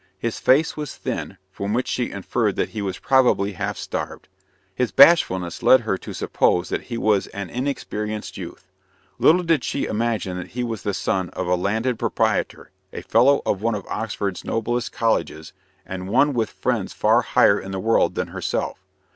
His face was thin, from which she inferred that he was probably half starved. His bashfulness led her to suppose that he was an inexperienced youth. Little did she imagine that he was the son of a landed proprietor, a fellow of one of Oxford's noblest colleges, and one with friends far higher in the world than herself.